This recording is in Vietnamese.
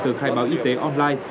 tờ khai báo y tế online